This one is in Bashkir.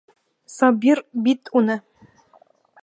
Сабир бит уны...